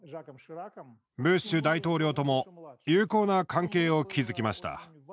ブッシュ大統領とも友好な関係を築きました。